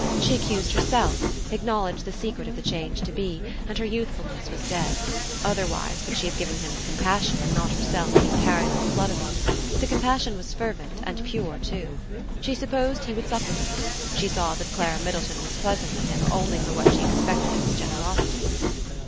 She accused herself, acknowledged the secret of the change to be, and her youthfulness was dead: otherwise could she have given him compassion, and not herself have been carried on the flood of it? The compassion was fervent, and pure too. She supposed he would supplicate; she saw that Clara Middleton was pleasant with him only for what she expected of his generosity.